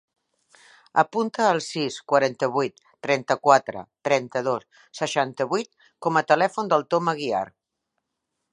Apunta el sis, quaranta-vuit, trenta-quatre, trenta-dos, seixanta-vuit com a telèfon del Tom Aguiar.